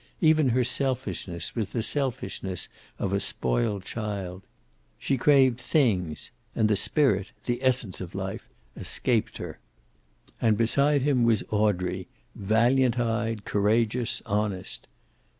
Even her selfishness was the selfishness of a spoiled child. She craved things, and the spirit, the essence of life, escaped her. And beside him was Audrey, valiant eyed, courageous, honest.